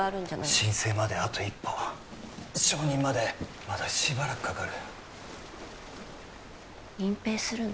申請まであと一歩承認までまだしばらくかかる隠蔽するの？